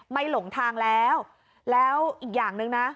หลงทางแล้วแล้วอีกอย่างหนึ่งนะ